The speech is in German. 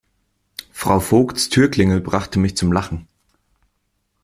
Frau Vogts Türklingel brachte mich zum Lachen.